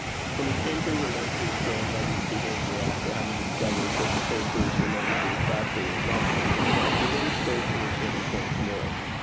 When he came to relate his grandmother's behaviour after having discovered that the papers relating to the factory were gone, he hid his face in his hands once more.